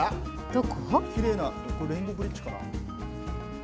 きれいなレインボーブリッジかな。